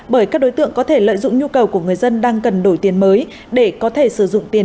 bởi các đối tượng có thể lợi dụng nhu cầu của người dân đang cần đổi tiền mới để có thể sử dụng tiền